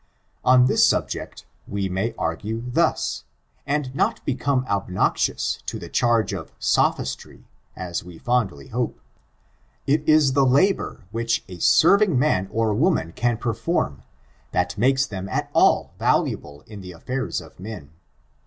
On this subject, we may argue thus, and not become obnoxious to the charge of sophistry ^ as we fondly hope. It is the labor which a serving man or woman can perform, that makes them at all valu able in the affairs of men.